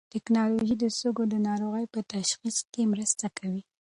ټېکنالوژي د سږو د ناروغۍ په تشخیص کې مرسته کوي.